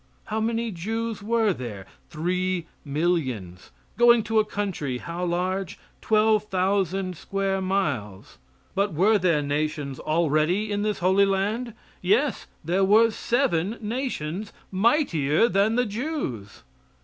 How many Jews were there? Three millions. Going to a country, how large? Twelve thousand square miles. But were there nations already in this Holy Land? Yes, there were seven nations "mightier than the Jews."